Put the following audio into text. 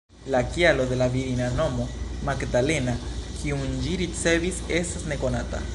La kialo de la virina nomo, ""Magdalena"", kiun ĝi ricevis, estas nekonata.